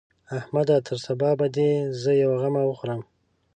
احمده! تر سبا به دې زه يوه غمه وخورم.